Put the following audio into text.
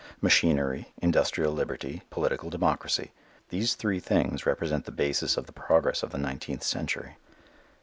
Machinery, industrial liberty, political democracy these three things represent the basis of the progress of the nineteenth century.